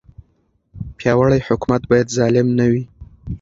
پیاوړی حکومت باید ظالم نه وي.